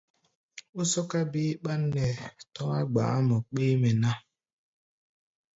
Ó sɔ́ká wí ɓán nɛ tɔ̧́á̧ gba̧Ꞌá̧ mɔ béémɛ ná.